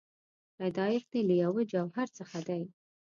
پیدایښت یې له یوه جوهر څخه دی.